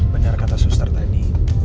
bener kata suster tadi